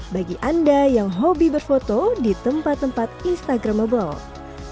bagi anda yang hobi berfoto di tempat tempat instagramable